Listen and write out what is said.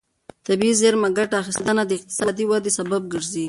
د طبیعي زېرمې ګټه اخیستنه د اقتصادي ودې سبب ګرځي.